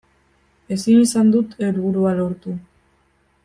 Ezin izan dut helburua lortu.